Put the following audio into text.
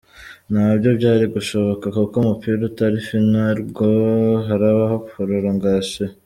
Nabyo byari gushoboka kuko umupira utari final ngo harabaho prolongation.